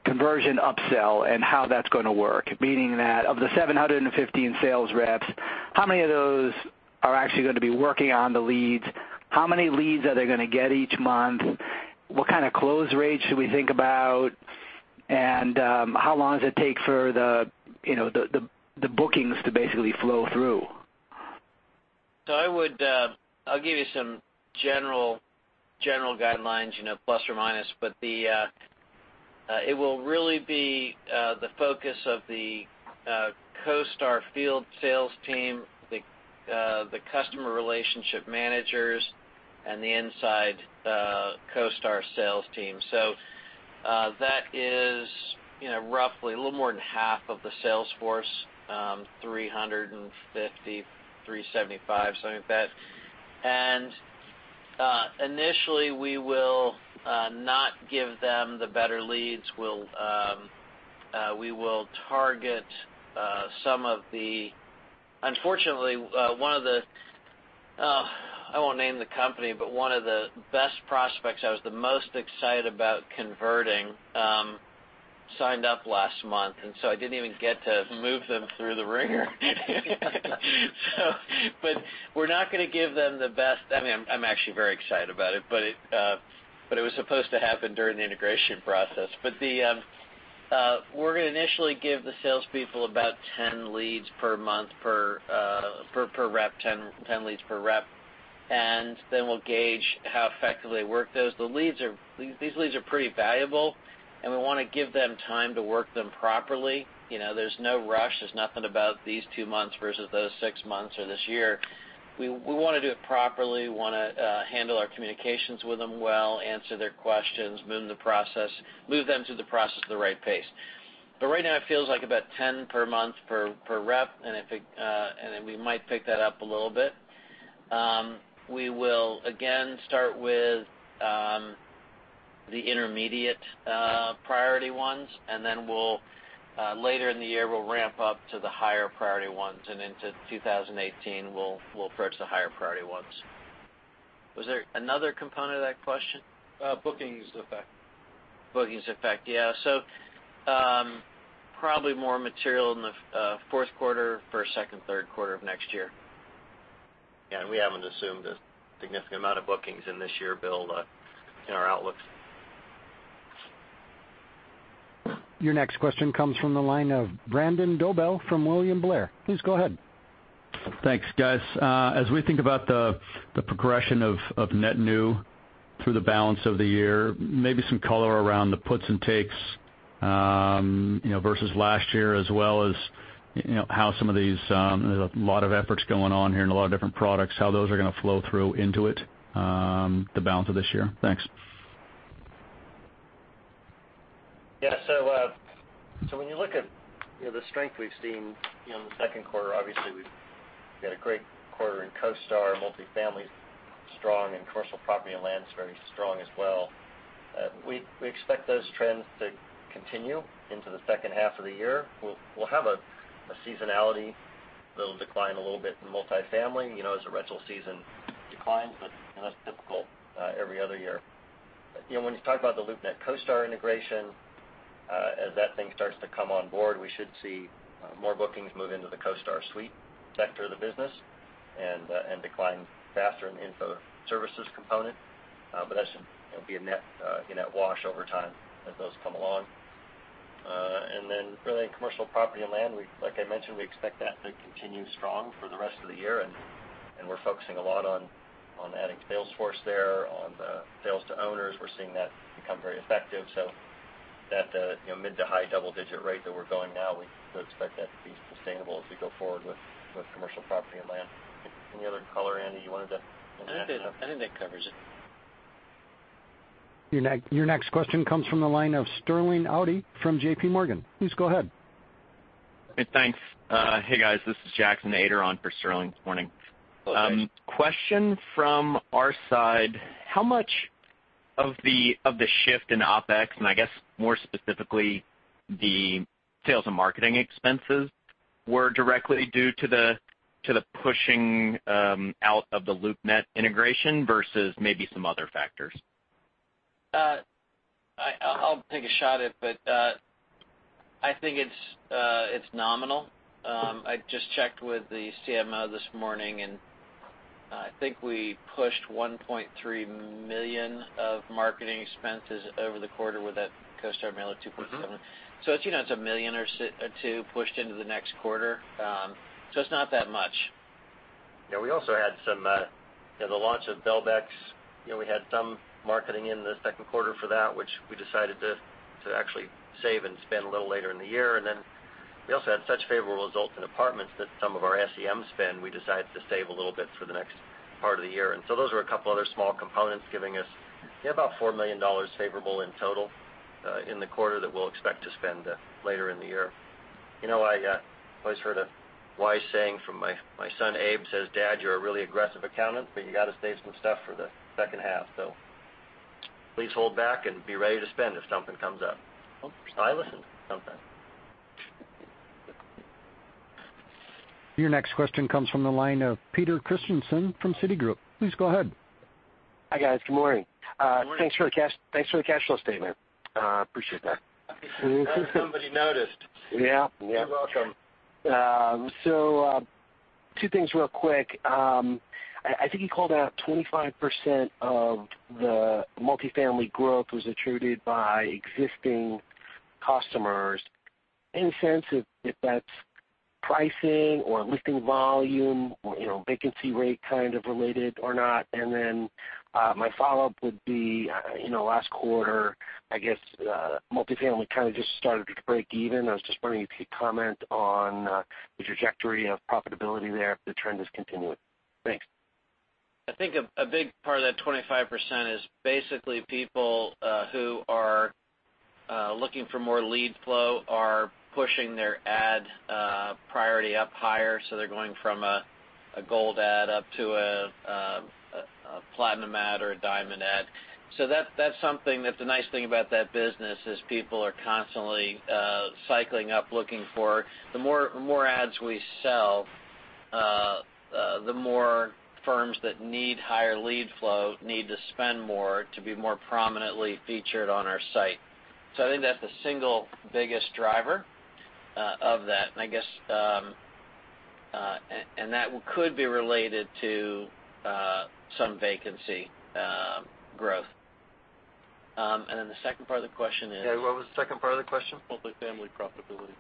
conversion upsell and how that's going to work, meaning that of the 715 sales reps, how many of those are actually going to be working on the leads? How many leads are they going to get each month? What kind of close rates should we think about? How long does it take for the bookings to basically flow through? I'll give you some general guidelines, plus or minus, but it will really be the focus of the CoStar field sales team, the customer relationship managers, and the inside CoStar sales team. That is roughly a little more than half of the sales force, 350, 375, something like that. Initially, we will not give them the better leads. Unfortunately, I won't name the company, but one of the best prospects I was the most excited about converting signed up last month, I didn't even get to move them through the ringer. We're not going to give them the best. I'm actually very excited about it, but it was supposed to happen during the integration process. We're going to initially give the salespeople about 10 leads per month per rep, 10 leads per rep, and then we'll gauge how effectively they work those. These leads are pretty valuable, and we want to give them time to work them properly. There's no rush. There's nothing about these two months versus those six months or this year. We want to do it properly. We want to handle our communications with them well, answer their questions, move them through the process at the right pace. Right now it feels like about 10 per month per rep, and then we might pick that up a little bit. We will, again, start with the intermediate priority ones, and then later in the year, we'll ramp up to the higher priority ones, and into 2018, we'll approach the higher priority ones. Was there another component to that question? Bookings effect. Bookings effect, yeah. Probably more material in the fourth quarter versus second, third quarter of next year. We haven't assumed a significant amount of bookings in this year, Bill, in our outlooks. Your next question comes from the line of Brandon Dobell from William Blair. Please go ahead. Thanks, guys. As we think about the progression of net new through the balance of the year, maybe some color around the puts and takes versus last year, as well as how there's a lot of efforts going on here and a lot of different products, how those are going to flow through into it the balance of this year. Thanks. When you look at the strength we've seen in the second quarter, obviously we've had a great quarter in CoStar. Multifamily's strong, and commercial property and land is very strong as well. We expect those trends to continue into the second half of the year. We'll have a seasonality, they'll decline a little bit in multifamily, as the rental season declines, but that's typical every other year. When you talk about the LoopNet CoStar integration, as that thing starts to come on board, we should see more bookings move into the CoStar Suite sector of the business and decline faster in the info services component. That should be a net wash over time as those come along. Really commercial property and land, like I mentioned, we expect that to continue strong for the rest of the year, we're focusing a lot on adding to sales force there, on the sales to owners. We're seeing that become very effective. That mid to high double-digit rate that we're going now, we expect that to be sustainable as we go forward with commercial property and land. Any other color, Andy, you wanted to add to that? I think that covers it. Your next question comes from the line of Sterling Auty from JPMorgan. Please go ahead. Thanks. Hey, guys, this is Jackson Ader on for Sterling this morning. Hello, Jackson. Question from our side. How much of the shift in OpEx, and I guess more specifically, the sales and marketing expenses were directly due to the pushing out of the LoopNet integration versus maybe some other factors? I'll take a shot at it. I think it's nominal. I just checked with the CMO this morning, and I think we pushed $1.3 million of marketing expenses over the quarter with that CoStar mailer at $2.7. It's $1 million or $2 million pushed into the next quarter. It's not that much. Yeah, we also had the launch of Belbex. We had some marketing in the second quarter for that, which we decided to actually save and spend a little later in the year. Then we also had such favorable results in Apartments that some of our SEM spend, we decided to save a little bit for the next part of the year. So those were a couple other small components giving us about $4 million favorable in total in the quarter that we'll expect to spend later in the year. I always heard a wise saying from my son Abe says, "Dad, you're a really aggressive accountant, but you got to save some stuff for the second half, so please hold back and be ready to spend if something comes up." I listen sometimes. Your next question comes from the line of Peter Christiansen from Citigroup. Please go ahead. Hi, guys. Good morning. Good morning. Thanks for the cash flow statement. Appreciate that. Glad somebody noticed. Yeah. You're welcome. Two things real quick. I think you called out 25% of the multifamily growth was attributed by existing customers. Any sense if that's pricing or listing volume, vacancy rate kind of related or not? My follow-up would be, last quarter, I guess multifamily kind of just started to break even. I was just wondering if you could comment on the trajectory of profitability there, if the trend is continuing. Thanks. I think a big part of that 25% is basically people who are looking for more lead flow are pushing their ad priority up higher, so they're going from a gold ad up to a platinum ad or a diamond ad. That's something that's a nice thing about that business, is people are constantly cycling up looking for. The more ads we sell, the more firms that need higher lead flow need to spend more to be more prominently featured on our site. I think that's the single biggest driver of that, and that could be related to some vacancy growth. The second part of the question is? Yeah, what was the second part of the question? Multifamily profitability.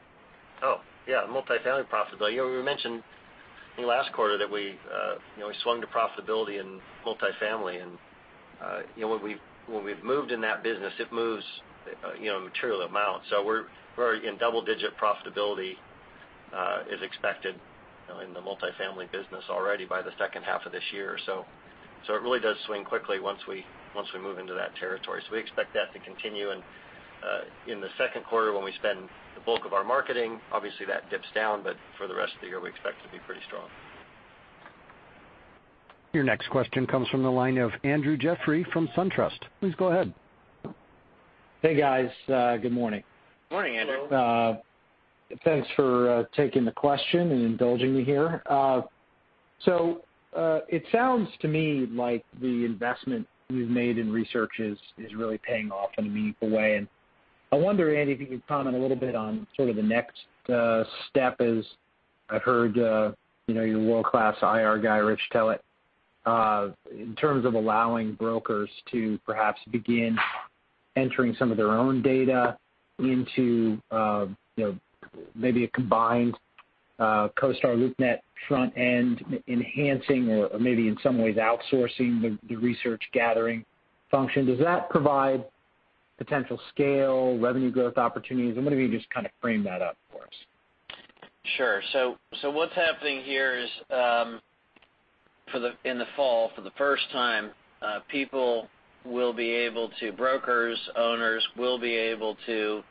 Oh, yeah. Multifamily profitability. We mentioned in the last quarter that we swung to profitability in multifamily, and when we've moved in that business, it moves material amounts. We're in double-digit profitability is expected in the multifamily business already by the second half of this year. It really does swing quickly once we move into that territory. We expect that to continue. In the second quarter, when we spend the bulk of our marketing, obviously that dips down, but for the rest of the year, we expect it to be pretty strong. Your next question comes from the line of Andrew Jeffrey from SunTrust. Please go ahead. Hey, guys. Good morning. Morning, Andrew. Thanks for taking the question and indulging me here. It sounds to me like the investment you've made in research is really paying off in a meaningful way. I wonder, Andy, if you could comment a little bit on sort of the next step, as I've heard your world-class IR guy, Rich Simonelli, in terms of allowing brokers to perhaps begin entering some of their own data into maybe a combined CoStar, LoopNet front-end enhancing or maybe in some ways outsourcing the research gathering function. Does that provide potential scale, revenue growth opportunities? I'm wondering if you can just kind of frame that up for us. Sure. What's happening here is, in the fall, for the first time, brokers, owners will be able to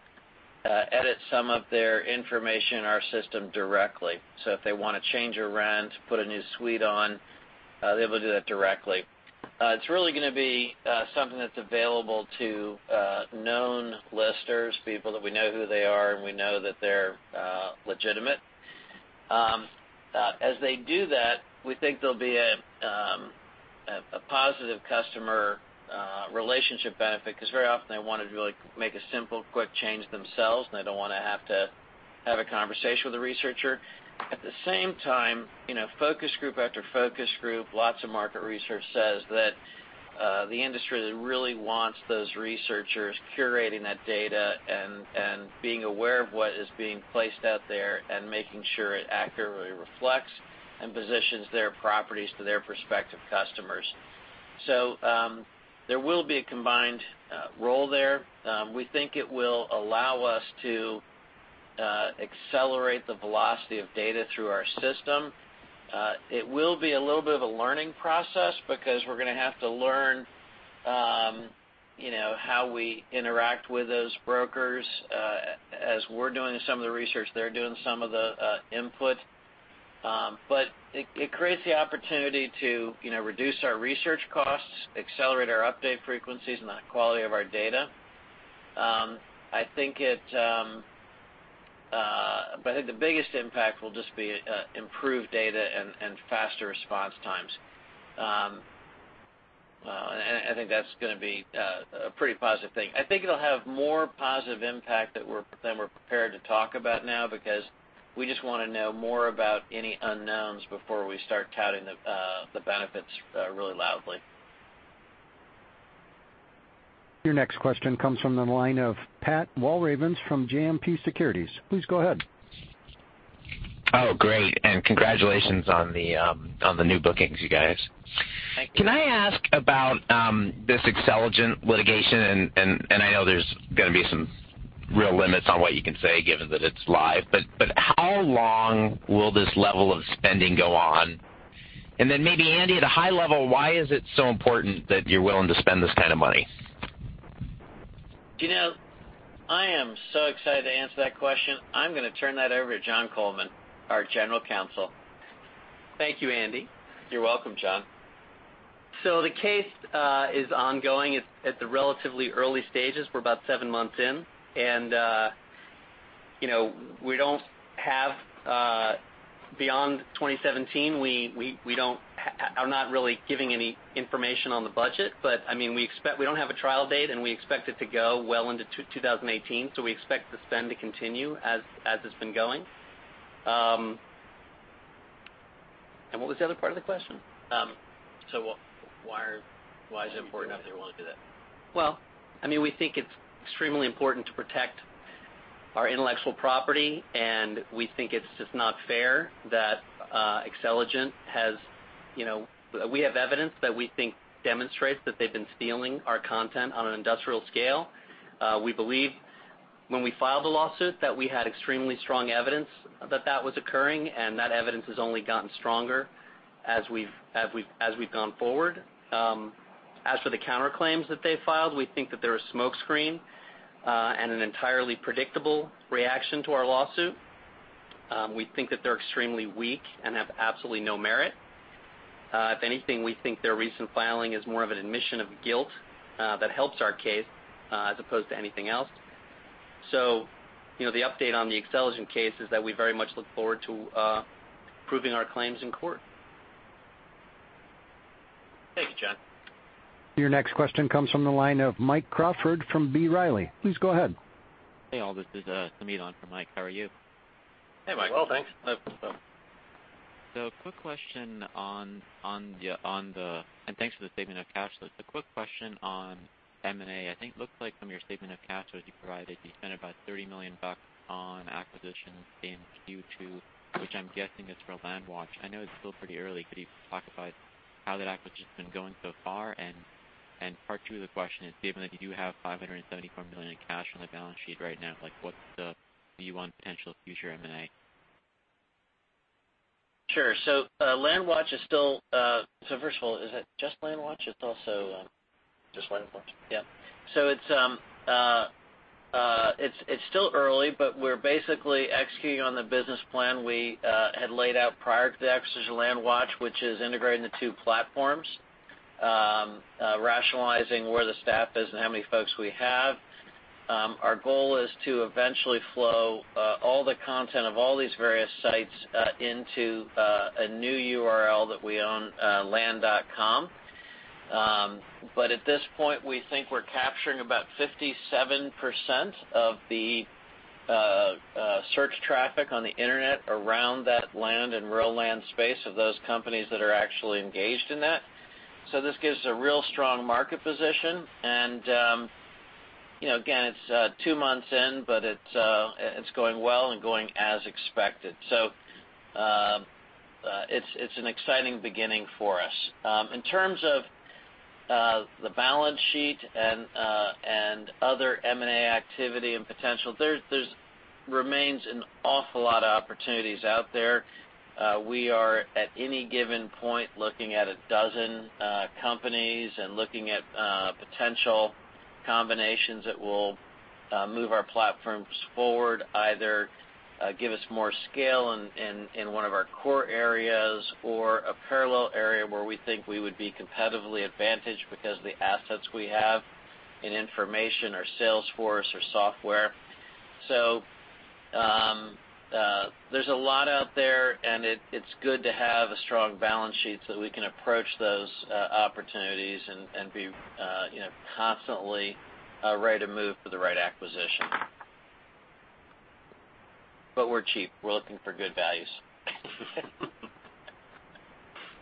edit some of their information in our system directly. If they want to change a rent, put a new suite on, they'll be able to do that directly. It's really going to be something that's available to known listers, people that we know who they are, and we know that they're legitimate. As they do that, we think there'll be a positive customer relationship benefit, because very often they want to really make a simple, quick change themselves, and they don't want to have to have a conversation with a researcher. At the same time, focus group after focus group, lots of market research says that the industry really wants those researchers curating that data and being aware of what is being placed out there and making sure it accurately reflects and positions their properties to their prospective customers. There will be a combined role there. We think it will allow us to accelerate the velocity of data through our system. It will be a little bit of a learning process because we're going to have to learn how we interact with those brokers. As we're doing some of the research, they're doing some of the input. It creates the opportunity to reduce our research costs, accelerate our update frequencies, and the quality of our data. I think the biggest impact will just be improved data and faster response times. I think that's going to be a pretty positive thing. I think it'll have more positive impact than we're prepared to talk about now because we just want to know more about any unknowns before we start touting the benefits really loudly. Your next question comes from the line of Pat Walravens from JMP Securities. Please go ahead. Oh, great. Congratulations on the new bookings, you guys. Thank you. Can I ask about this Xceligent litigation? I know there's going to be some real limits on what you can say, given that it's live, how long will this level of spending go on? Then maybe, Andy, at a high level, why is it so important that you're willing to spend this kind of money? I am so excited to answer that question. I'm going to turn that over to Jon Coleman, our general counsel. Thank you, Andy. You're welcome, Jon. The case is ongoing. It's at the relatively early stages. We're about seven months in, and beyond 2017, we are not really giving any information on the budget. We don't have a trial date, and we expect it to go well into 2018, so we expect the spend to continue as it's been going. What was the other part of the question? Why is it important that you're willing to do that? Well, we think it's extremely important to protect our intellectual property. We think it's just not fair that we have evidence that we think demonstrates that they've been stealing our content on an industrial scale. When we filed the lawsuit that we had extremely strong evidence that was occurring, that evidence has only gotten stronger as we've gone forward. As for the counterclaims that they filed, we think that they're a smoke screen and an entirely predictable reaction to our lawsuit. We think that they're extremely weak and have absolutely no merit. If anything, we think their recent filing is more of an admission of guilt that helps our case as opposed to anything else. The update on the Xceligent case is that we very much look forward to proving our claims in court. Thank you, Jon. Your next question comes from the line of Mike Crawford from B. Riley. Please go ahead. Hey, all. This is Sameet on for Mike. How are you? Hey, Mike. Well, thanks. Quick question on M&A. I think looked like from your statement of cash flows you provided, you spent about $30 million on acquisitions in Q2, which I'm guessing is for LandWatch. I know it's still pretty early, could you talk about how that acquisition's been going so far? Part two of the question is, given that you do have $574 million in cash on the balance sheet right now, what's the view on potential future M&A? Sure. First of all, is it just LandWatch? It's also Just LandWatch. It's still early, but we're basically executing on the business plan we had laid out prior to the acquisition of LandWatch, which is integrating the two platforms, rationalizing where the staff is and how many folks we have. Our goal is to eventually flow all the content of all these various sites into a new URL that we own, land.com. At this point, we think we're capturing about 57% of the search traffic on the internet around that land and rural land space of those companies that are actually engaged in that. This gives a real strong market position and, again, it's two months in, but it's going well and going as expected. It's an exciting beginning for us. In terms of the balance sheet and other M&A activity and potential, there remains an awful lot of opportunities out there. We are, at any given point, looking at a dozen companies and looking at potential combinations that will move our platforms forward, either give us more scale in one of our core areas or a parallel area where we think we would be competitively advantaged because of the assets we have in information or sales force or software. There's a lot out there, and it's good to have a strong balance sheet so that we can approach those opportunities and be constantly ready to move for the right acquisition. We're cheap. We're looking for good values.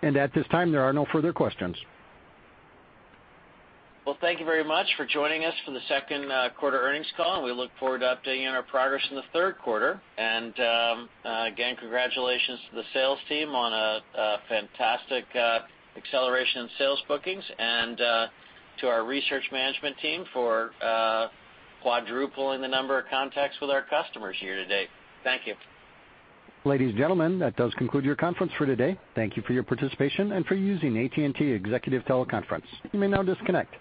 At this time, there are no further questions. Well, thank you very much for joining us for the second quarter earnings call. We look forward to updating you on our progress in the third quarter. Again, congratulations to the sales team on a fantastic acceleration in sales bookings and to our research management team for quadrupling the number of contacts with our customers year to date. Thank you. Ladies and gentlemen, that does conclude your conference for today. Thank you for your participation and for using AT&T Executive Teleconference. You may now disconnect.